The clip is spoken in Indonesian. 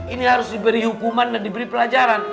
ini harus diberi hukuman dan diberi pelajaran